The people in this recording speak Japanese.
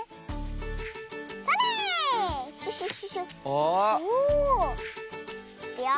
おお。いくよ。